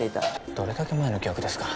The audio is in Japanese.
どれだけ前の記憶ですか。